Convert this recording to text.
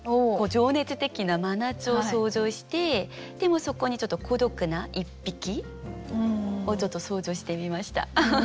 情熱的な真夏を想像してでもそこにちょっと孤独な１匹をちょっと想像してみました。